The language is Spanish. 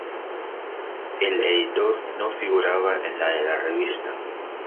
El editor no figuraba en la de la revista.